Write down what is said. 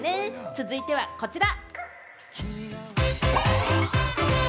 続いてはこちら。